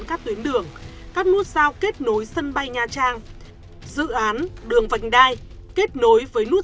các tuyến đường các nút giao kết nối sân bay nha trang dự án đường vành đai kết nối với nút